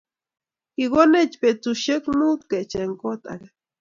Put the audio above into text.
Kikonech betushek muut kecheng kot ake